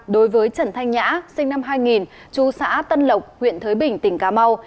đối với trần thanh nhã sinh năm hai nghìn chú xã tân lộc huyện thới bình tp đồng hới